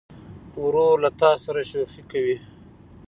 ورور له تا سره شوخي کوي.